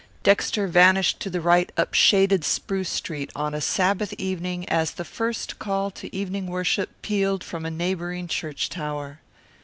Dexter vanished to the right up shaded Spruce Street on a Sabbath evening as the first call to evening worship pealed from a neighbouring church tower.